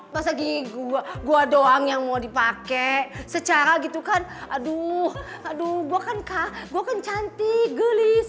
masa gigi gua doang yang mau dipakai secara gitu kan aduh aduh gua kan kak gua kan cantik gelis